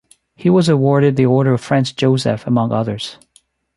He was awarded the Order of Franz Joseph among others.